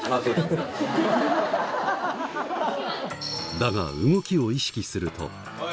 だが動きを意識するとおい！